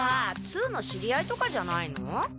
ツウの知り合いとかじゃないの？